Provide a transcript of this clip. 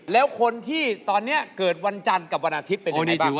แล้วคนที่ตอนนี้เกิดวันจันทร์กับวันอาทิตย์เป็นยังไงบ้าง